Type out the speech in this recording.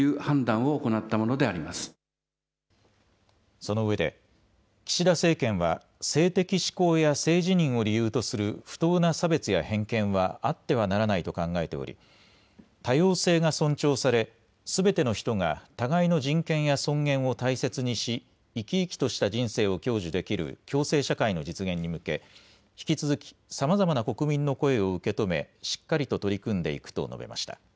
そのうえで岸田政権は性的指向や性自認を理由とする不当な差別や偏見はあってはならないと考えており多様性が尊重されすべての人が互いの人権や尊厳を大切にし生き生きとした人生を享受できる共生社会の実現に向け引き続きさまざまな国民の声を受け止めしっかりと取り組んでいくと述べました。